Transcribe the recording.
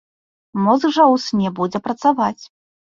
Мозг жа ў сне будзе працаваць.